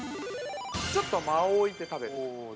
ちょっと間を置いて食べる。